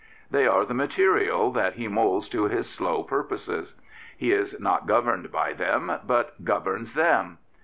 They are the material that he moulds to his slow purposes. He is not governed by them, but governs them.